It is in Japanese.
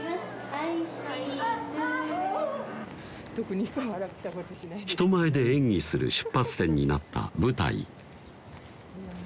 はいチーズ人前で演技する出発点になった舞台